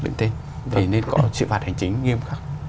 để nên có sự phạt hành chính nghiêm khắc